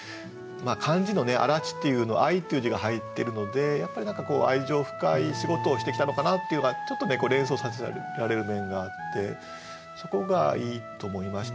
漢字のね「愛発」っていうの「愛」っていう字が入ってるのでやっぱり何か愛情深い仕事をしてきたのかなっていうのがちょっとね連想させられる面があってそこがいいと思いました。